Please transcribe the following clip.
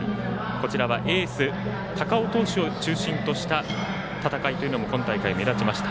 こちらはエース・高尾投手を中心とした戦いも今大会、目立ちました。